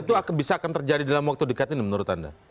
itu bisa akan terjadi dalam waktu dekat ini menurut anda